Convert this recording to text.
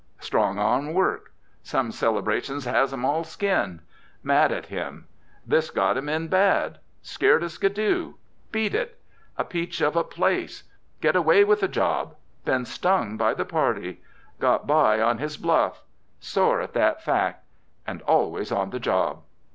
strong arm work, some celebration, has 'em all skinned, mad at him, this got him in bad, scared of, skiddoo, beat it, a peach of a place, get away with the job, been stung by the party, got by on his bluff, sore at that fact, and always on the job.